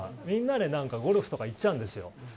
みんなでゴルフとか行っちゃうんですよ